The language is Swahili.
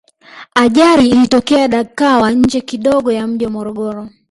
ajari ilitokea dakawa nje kidogo ya mji wa morogoro